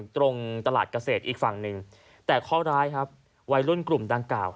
ตรงตลาดเกษตรอีกฝั่งหนึ่งแต่ข้อร้ายครับวัยรุ่นกลุ่มดังกล่าว